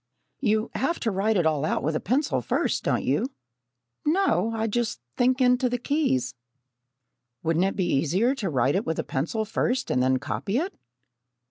"You have to write it all out with a pencil, first, don't you?" "No, I just think into the keys." "Wouldn't it be easier to write it with a pencil first and then copy it?"